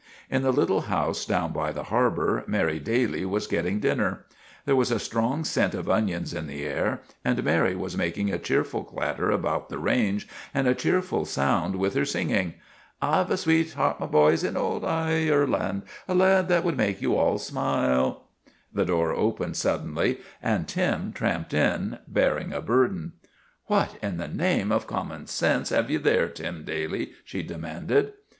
In the little house down by the Harbor, Mary Daly was getting dinner. There was a strong scent of onions in the air and Mary was making a cheerful clatter about the range and a cheerful sound with her singing " I 've a sweetheart, my boys, in old Ireland, A lad that would make you all smile " The door opened suddenly and Tim tramped in, bearing a burden, 3 io THE RETURN OF THE CHAMPION " What in the name of common sense have ye there, Tim Daly? " she demanded.